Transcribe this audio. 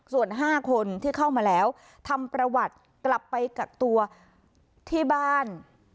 ส่วน๕คนที่เข้ามาแล้วทำประวัติกลับไปกักตัวที่บ้าน